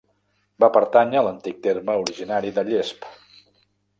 Va pertànyer l'antic terme originari de Llesp.